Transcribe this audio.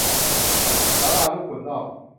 ศาลาลูกขุนนอก